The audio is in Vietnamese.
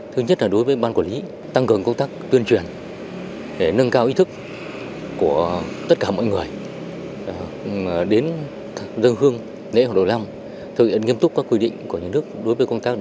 thứ nhất là đối với ban quản lý tăng cường công tác tuyên truyền để nâng cao ý thức của tất cả mọi người